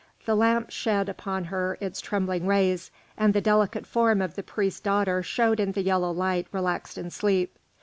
The lamp shed upon her its trembling rays, and the delicate form of the priest's daughter showed in the yellow light relaxed in sleep.